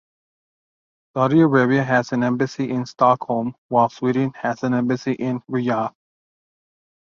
Saudi Arabia has an embassy in Stockholm while Sweden has an embassy in Riyadh.